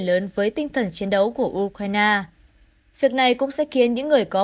lớn với tinh thần chiến đấu của ukraine việc này cũng sẽ khiến những người có